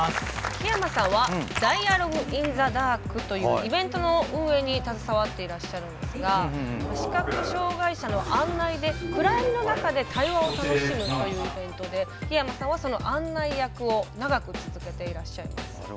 檜山さんはダイアログ・イン・ザ・ダークというイベントの運営に携わっていらっしゃるんですが視覚障害者の案内で暗闇の中で対話を楽しむというイベントで檜山さんはその案内役を長く続けていらっしゃいます。